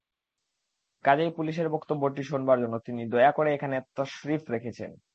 কাজেই পুলিশের বক্তব্যটি শোনবার জন্যে তিনি দয়া করে এখানে তশরিফ রেখেছেন।